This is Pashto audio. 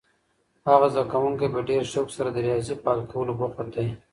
هغه زده کوونکی په ډېر شوق سره د ریاضي په حل کولو بوخت دی.